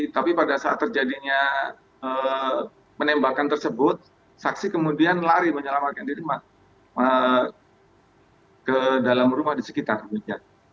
tapi pada saat terjadinya penembakan tersebut saksi kemudian lari menyelamatkan diri ke dalam rumah di sekitar meja